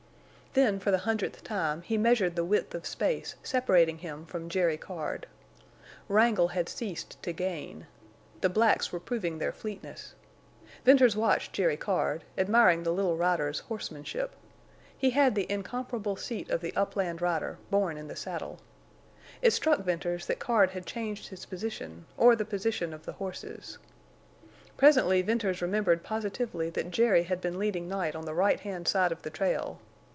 Then for the hundredth time he measured the width of space separating him from Jerry Card. Wrangle had ceased to gain. The blacks were proving their fleetness. Venters watched Jerry Card, admiring the little rider's horsemanship. He had the incomparable seat of the upland rider, born in the saddle. It struck Venters that Card had changed his position, or the position of the horses. Presently Venters remembered positively that Jerry had been leading Night on the right hand side of the trail.